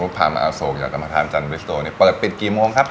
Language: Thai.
สรุปพามาอโศกอยากจะมาทานจันทร์บริสโตร์เปิดปิดกี่โมงครับ